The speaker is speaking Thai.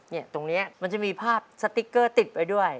ตรงนี้มันจะมีภาพสติ๊กเกอร์ติดไว้ด้วย